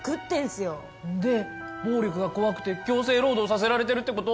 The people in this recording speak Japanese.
で暴力が怖くて強制労働させられてるって事？